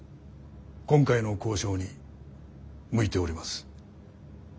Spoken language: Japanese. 今回の交渉に向いております。